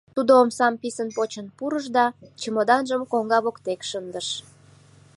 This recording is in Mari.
Тудо омсам писын почын пурыш да чемоданжым коҥга воктек шындыш.